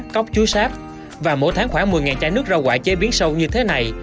cóc chuối sáp và mỗi tháng khoảng một mươi chai nước rau quả chế biến sâu như thế này